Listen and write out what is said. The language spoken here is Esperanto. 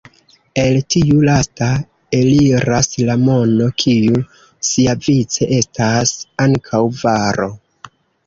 El tiu lasta eliras la mono, kiu siavice estas ankaŭ varo.